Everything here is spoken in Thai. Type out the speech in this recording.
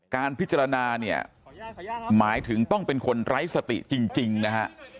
การพิจารณาเนี่ยหมายถึงต้องเป็นคนไร้สติจริงนะฮะ